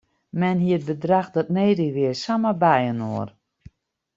Men hie it bedrach dat nedich wie samar byinoar.